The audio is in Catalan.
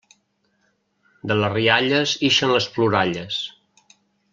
De les rialles ixen les ploralles.